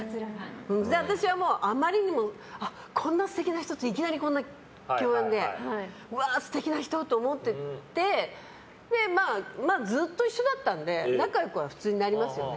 私はあまりにもこんな素敵な人といきなりこんな共演でうわー、素敵な人！と思っててずっと一緒だったので仲良くは普通になりますよ。